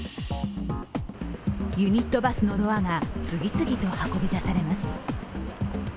ユニットバスのドアが次々と運び出されます。